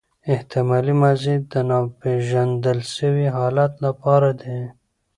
احتمالي ماضي د ناپیژندل سوي حالت له پاره ده.